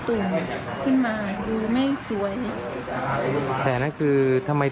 ทังเขาก็เกาก็อักเสบก็มีตุ่มขึ้นมาดูไม่สวย